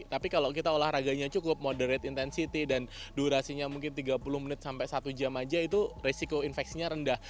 tapi kalau kita olahraganya cukup moderate intensity dan durasinya mungkin tiga puluh menit sampai satu jam aja itu risiko infeksinya rendah